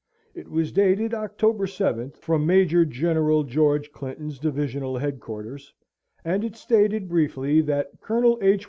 It was dated October 7, from Major General George Clinton's divisional headquarters, and it stated briefly that "Colonel H.